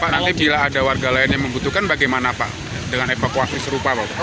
pak nanti bila ada warga lain yang membutuhkan bagaimana pak dengan evakuasi serupa